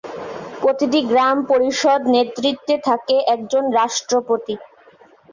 প্রতিটি গ্রাম পরিষদ নেতৃত্বে থাকে একজন রাষ্ট্রপতি।